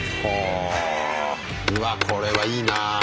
うわこれはいいな。